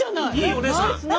お姉さん。